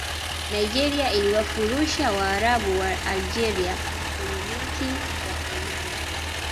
nigeria iliwafurusha waarabu wa algeria kwenye mechi ya fainali